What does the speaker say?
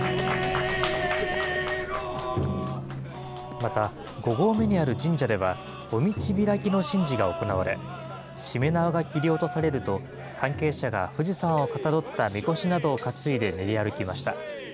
また、５合目にある神社では、お道開きの神事が行われ、しめ縄が切り落とされると、関係者が富士山をかたどったみこしなどを担いで練り歩きました。